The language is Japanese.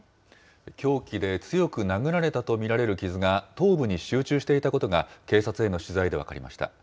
凶器で強く殴られたと見られる傷が頭部に集中していたことが警察への取材で分かりました。